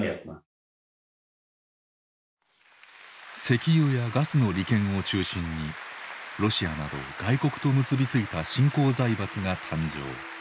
石油やガスの利権を中心にロシアなど外国と結び付いた新興財閥が誕生。